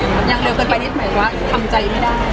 หมายถึงว่าไม่ค่อนข้างให้ทำใจ